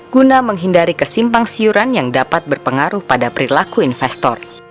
guna menghindari kesimpang siuran yang dapat berpengaruh pada perilaku investor